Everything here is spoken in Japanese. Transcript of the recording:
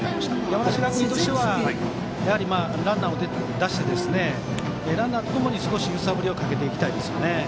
山梨学院としてはやはり、ランナーを出してランナーとともに少し揺さぶりをかけていきたいですね。